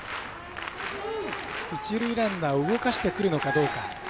一塁ランナーを動かしてくるのかどうか。